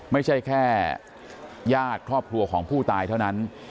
ไม่ใช่แค่ญาติครอบครัวของผู้ตายเท่านั้น